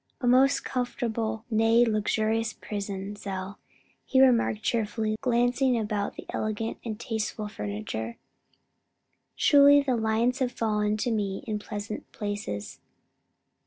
"A most comfortable, nay luxurious prison cell," he remarked cheerily, glancing about upon the elegant and tasteful furniture, "truly the lines have fallen to me in pleasant places."